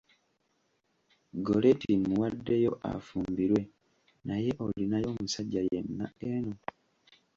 Gorretti mmuwaddeyo afumbirwe naye olinayo omusajja yenna eno?